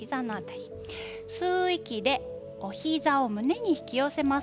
吸う息でお膝を胸に引き寄せます。